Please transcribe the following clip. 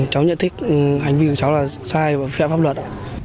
cháu nhận thích hành vi của cháu là sai và phép pháp luật